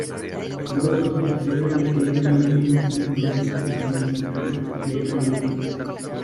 Los constructores no hicieron cambios significativos al diseño original del cabildo.